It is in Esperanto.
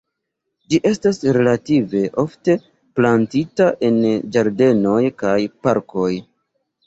Ĝi estas relative ofte plantita en ĝardenoj kaj parkoj.